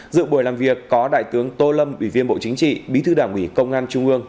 dự buổi làm việc có đại tướng tô lâm ủy viên bộ chính trị bí thư đảng ủy công an trung ương